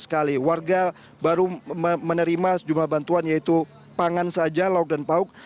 sekali warga baru menerima sejumlah bantuan yaitu pangan saja lauk dan pauk